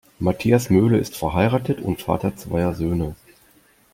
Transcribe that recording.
Matthias Möhle ist verheiratet und Vater zweier Söhne.